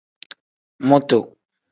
Mutu.